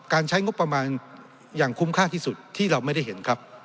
ใช้งบประมาณอย่างคุ้มค่าที่สุดที่เราไม่ได้เห็นครับ